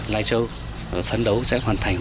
lai châu phấn đấu sẽ hoàn thành